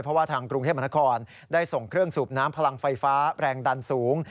เพราะว่าทางกรุงเทพมนครได้ส่งเครื่องสูบน้ำพลังไฟฟ้าแรงดันสูง